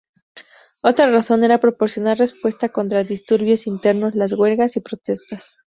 Otra razón era proporcionar respuesta contra disturbios internos, las huelgas y protestas.